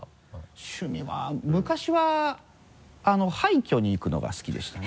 趣味まぁ昔は廃墟に行くのが好きでしたね。